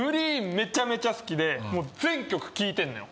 めちゃめちゃ好きで全曲聴いてんのよ